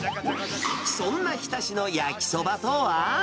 そんな日田市の焼きそばとは？